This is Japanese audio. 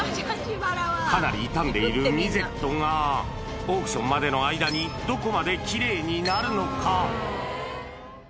かなり傷んでいるミゼットが、オークションまでの間にどこまできれいになるのか。